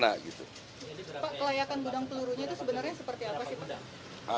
pak kelayakan gudang pelurunya itu sebenarnya seperti apa sih pak